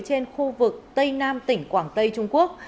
trên khu vực tây nam tỉnh quảng tây trung quốc